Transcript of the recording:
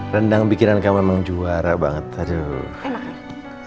rendang pikiran kamu emang juara banget aduh